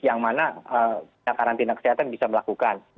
yang mana karantina kesehatan bisa melakukan